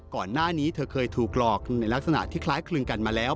ก่อนหน้านี้เธอเคยถูกหลอกในลักษณะที่คล้ายคลึงกันมาแล้ว